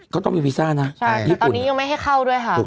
เขาต้องมีวีซ่านะใช่ญี่ปุ่นแต่ตอนนี้ยังไม่ให้เข้าด้วยค่ะ